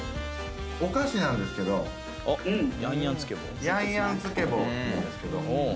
お菓子なんですけどヤンヤンつけボーっていうんですけど。